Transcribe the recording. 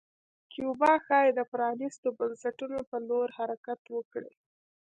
کیوبا ښايي د پرانیستو بنسټونو په لور حرکت وکړي.